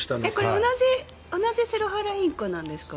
これ同じシロハラインコなんですか？